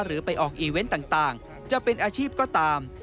ไปออกอีเวนต์ต่างจะเป็นอาชีพก็ตาม